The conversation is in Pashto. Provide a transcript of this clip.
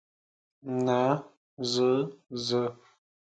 نه، زه، زه.